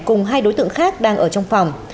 cùng hai đối tượng khác đang ở trong phòng